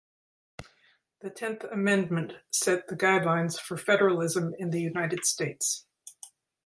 The Tenth Amendment set the guidelines for federalism in the United States.